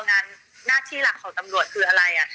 งานหน้าที่หลักของตำรวจคืออะไร